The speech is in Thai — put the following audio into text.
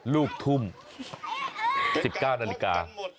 ลูกทุ่ม๑๙นาฬิกา